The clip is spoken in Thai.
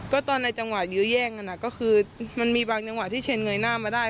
ก็ตอนในจังหวะยื้อแย่งกันก็คือมันมีบางจังหวะที่เชนเงยหน้ามาได้